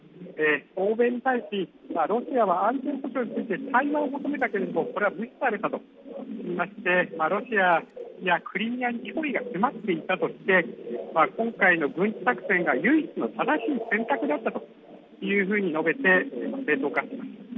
欧米に対し、ロシアは安全保障について対話を求めたけれども、これは無視されたといいまして、ロシアやクリミアに脅威が迫っていたとして、今回の軍事作戦が唯一の正しい選択だったと述べて正当化しました。